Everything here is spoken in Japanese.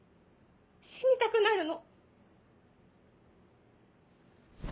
死にたくなるの。